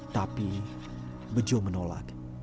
tapi bejo menolak